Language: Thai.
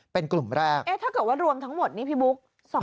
เป็นกลุ่มแรกถ้าเกิดว่ารวมทั้งหมดนี่พี่บุ๊ค